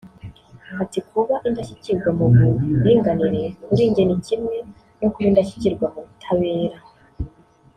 Ati “ Kuba indashyikirwa mu buringanire kuri njye ni kimwe no kuba indashyikirwa mu butabera